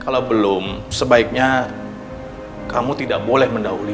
kalau belum sebaiknya kamu tidak boleh mendahului